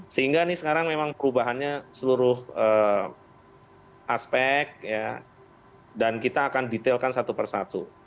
sehingga ini sekarang memang perubahannya seluruh aspek dan kita akan detailkan satu persatu